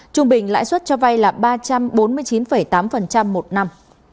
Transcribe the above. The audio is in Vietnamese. trung bình lãi suất cho vay là ba trăm bốn mươi chín tám một năm